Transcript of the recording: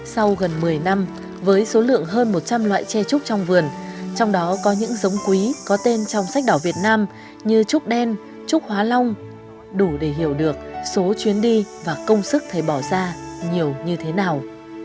sau gần một mươi năm với số lượng hơn một trăm linh loại tre trúc trong vườn trong đó có những giống quý có tên trong sách đỏ việt nam như trúc đen trúc hóa long đủ để hiểu được số chuyến đi và công sức thầy bỏ ra nhiều như thế nào